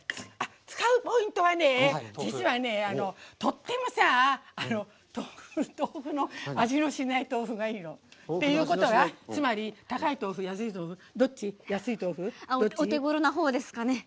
使うポイントは実はとっても豆腐の味のしない豆腐がいいの。っていうことは、つまり高い豆腐、安い豆腐お手ごろな方ですかね。